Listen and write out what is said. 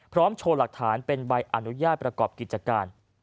โชว์หลักฐานเป็นใบอนุญาตประกอบกิจการ